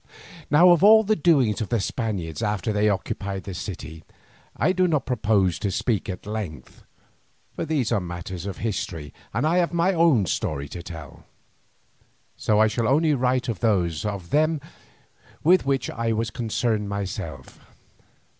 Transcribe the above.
Now of all the doings of the Spaniards after they occupied the city, I do not propose to speak at length, for these are matters of history, and I have my own story to tell. So I shall only write of those of them with which I was concerned myself.